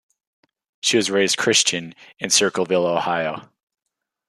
She was raised Christian in Circleville, Ohio.